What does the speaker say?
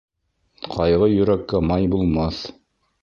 Ҡайғы йөрәккә май булмаҫ.